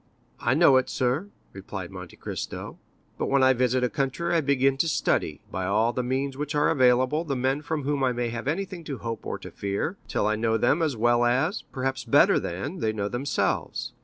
"I know it sir," replied Monte Cristo; "but when I visit a country I begin to study, by all the means which are available, the men from whom I may have anything to hope or to fear, till I know them as well as, perhaps better than, they know themselves.